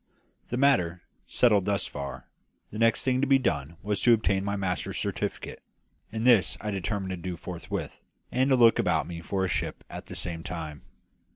The matter settled thus far, the next thing to be done was to obtain my master's certificate; and this I determined to do forthwith, and to look about me for a ship at the same time.